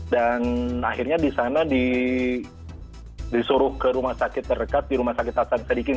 dan akhirnya di sana disuruh ke rumah sakit terdekat di rumah sakit hatsan sadikin